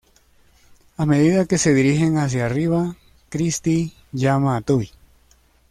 A medida que se dirigen hacia arriba, Kristi llama a Toby.